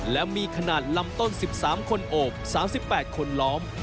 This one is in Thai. และมีขนาดลำต้น๑๓คนโอบ๓๘คนล้อม